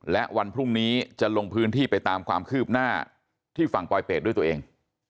และวันพรุ่งนี้จะลงพื้นที่ไปตามความคืบหน้าที่ฝั่งปลอยเป็ดด้วยตัวเอง